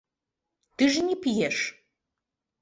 Ты ж не п'еш.